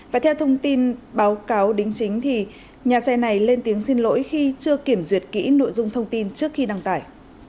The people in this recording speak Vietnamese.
và theo thông tin báo cáo đính chính thì nhà xe này lên tiếng xin lỗi khi chưa kiểm duyệt kỹ nội dung thông tin trước khi đăng tải